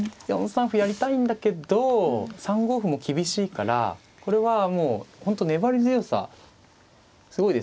４三歩やりたいんだけど３五歩も厳しいからこれはもう本当粘り強さすごいですね。